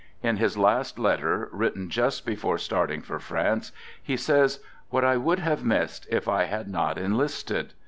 In his last letter, written just before starting for France, he says: " What I would have missed, if I had not enlisted